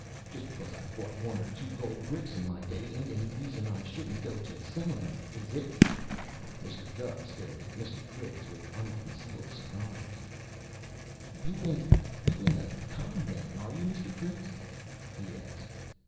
Just because I've bought one or two gold bricks in my day ain't any reason I shouldn't go to sellin' 'em, is it?" Mr. Gubb stared at Mr. Critz with unconcealed surprise. "You ain't, you ain't a con' man, are you, Mr. Critz?" he asked.